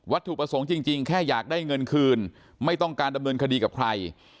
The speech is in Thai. ถูกประสงค์จริงแค่อยากได้เงินคืนไม่ต้องการดำเนินคดีกับใคร